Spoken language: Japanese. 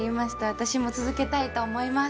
私も続けたいと思います。